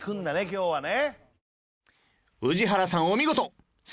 今日はね。